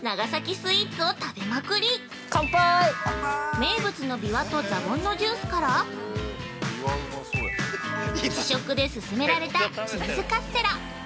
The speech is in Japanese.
◆名物のビワとザボンのジュースから試食で勧められたチーズカステラ。